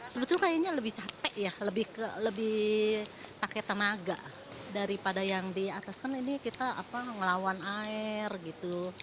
sebetulnya kayaknya lebih capek ya lebih pakai tenaga daripada yang di atas kan ini kita ngelawan air gitu